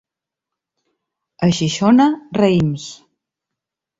A Xixona, raïms.